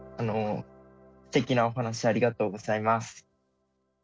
すてきなお話ありがとうございます。